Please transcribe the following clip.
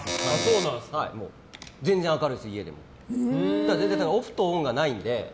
全然、明るいです、家でオフとオンがないので。